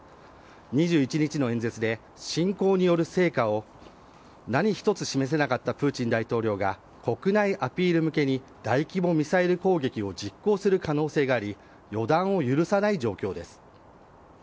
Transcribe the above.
２１日の演説で侵攻による成果を何１つ示せなかったプーチン大統領が国内アピール向けに大規模ミサイル攻撃を実行する可能性があり予断を許さない状況です。